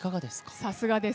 さすがです。